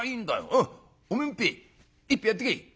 おうお前も一杯一杯やってけ」。